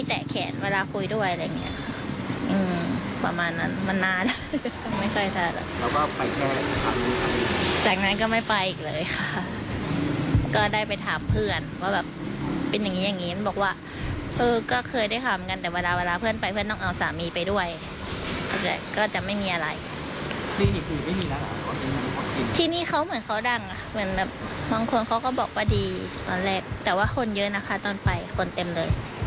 ที่นี่เขาเหมือนเขาดังบางคนเขาก็บอกประดีตอนแรกแต่ว่าคนเยอะนะคะตอนไปคนเต็มเลย